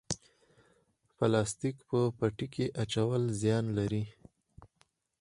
پلاستیک په پټي کې اچول زیان لري؟